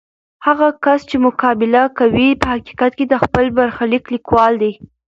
هغه کس چې مقابله کوي، په حقیقت کې د خپل برخلیک لیکوال دی.